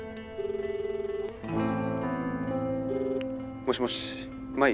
もしもし舞？